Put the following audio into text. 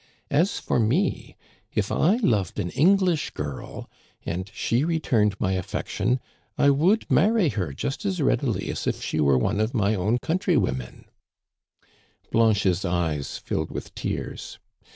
As for me, if I loved an English girl, and she returned my affection, I would marry her just as readily as if she were one of my own countrywomen." Digitized by VjOOQIC CONCLUSION, 273 Blanche's eyes filled with tears.